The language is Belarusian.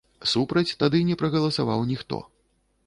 Супраць тады не прагаласаваў ніхто.